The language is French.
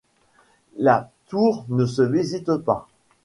La tour ne se visite pas.